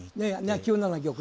９七玉。